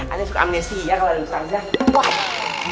aneh suka amnesti ya kalo ada ustadz zanurul